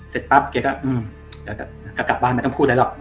เสร็จปั๊บแกก็กลับบ้านไม่ต้องพูดอะไรหรอก